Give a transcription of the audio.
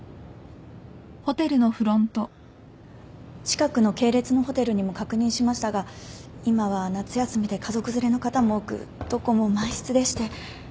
近くの系列のホテルにも確認しましたが今は夏休みで家族連れの方も多くどこも満室でして。